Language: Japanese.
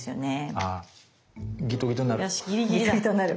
あギトギトになる。